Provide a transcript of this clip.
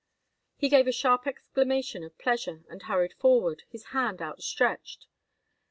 He gave a sharp exclamation of pleasure and hurried forward, his hand out stretched.